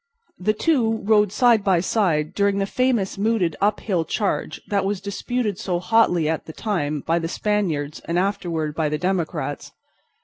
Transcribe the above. The two rode side by side during the famous mooted up hill charge that was disputed so hotly at the time by the Spaniards and afterward by the Democrats.